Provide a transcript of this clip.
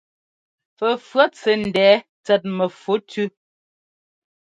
Fɛfʉ̈ɔt sɛ́ ńdɛɛ tsɛt mɛfu tʉ́.